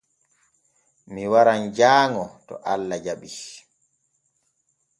Mi waran jaaŋo to Allah jaɓii.